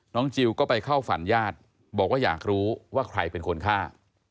จิลก็ไปเข้าฝันญาติบอกว่าอยากรู้ว่าใครเป็นคนฆ่า